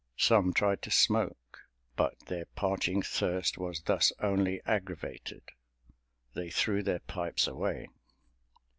Some tried to smoke, but their parching thirst was thus only aggravated—they threw their pipes away.